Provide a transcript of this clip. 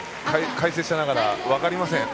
解説者ながら分かりません。